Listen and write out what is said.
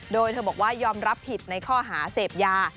โดยเธอบอกว่ายอมรับผิดในข้อหาเสพยา